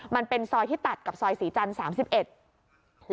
มันเป็นซอยที่ตัดกับซอยศรีจันทร์๓๑